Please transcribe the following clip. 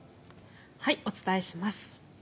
お伝えします。